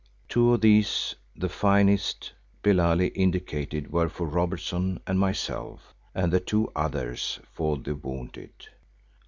Two of these, the finest, Billali indicated were for Robertson and myself, and the two others for the wounded.